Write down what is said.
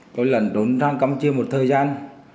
tôi lẩn trốn sang campuchia một thời gian